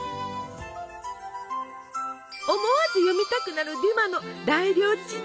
思わず読みたくなるデュマの「大料理事典」。